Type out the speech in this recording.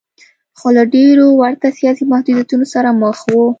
خو له ډېرو ورته سیاسي محدودیتونو سره مخ و.